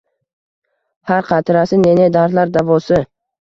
Har qatrasi ne-ne dardlar davosi.